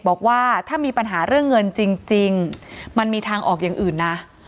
บอกว่าถ้ามีปัญหาเรื่องเงินจริงมันมีทางออกอย่างอื่นนะ